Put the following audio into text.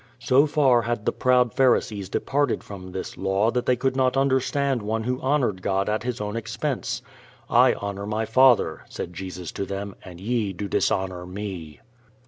So far had the proud Pharisees departed from this law that they could not understand one who honored God at his own expense. "I honour my Father," said Jesus to them, "and ye do dishonour me."